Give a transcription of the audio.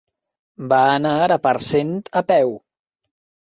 Va anar a Parcent a peu.